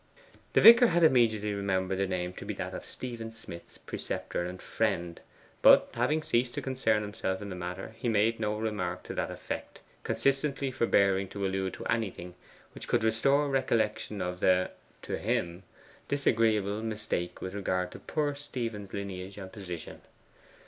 The vicar had immediately remembered the name to be that of Stephen Smith's preceptor and friend; but having ceased to concern himself in the matter he made no remark to that effect, consistently forbearing to allude to anything which could restore recollection of the (to him) disagreeable mistake with regard to poor Stephen's lineage and position.